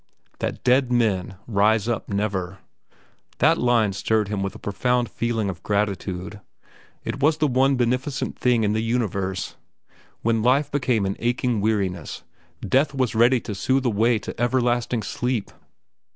"That dead men rise up never!" That line stirred him with a profound feeling of gratitude. It was the one beneficent thing in the universe. When life became an aching weariness, death was ready to soothe away to everlasting sleep.